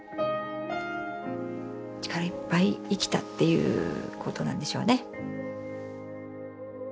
力いっぱい生きたっていうことなんでしょうね。